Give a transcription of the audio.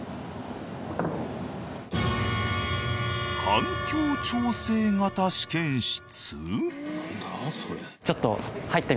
環境調整型試験室？